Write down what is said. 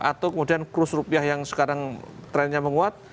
atau kemudian krus rupiah yang sekarang trendnya menguat